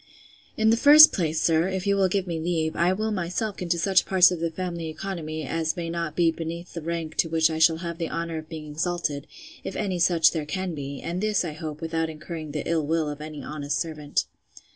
In the first place, sir, if you will give me leave, I will myself look into such parts of the family economy, as may not be beneath the rank to which I shall have the honour of being exalted, if any such there can be; and this, I hope, without incurring the ill will of any honest servant.